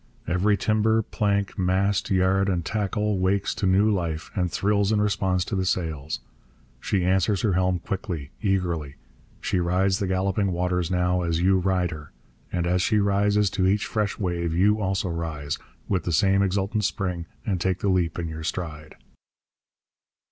Every timber, plank, mast, yard, and tackle wakes to new life and thrills in response to the sails. She answers her helm quickly, eagerly. She rides the galloping waters now as you ride her. And as she rises to each fresh wave you also rise, with the same exultant spring, and take the leap in your stride.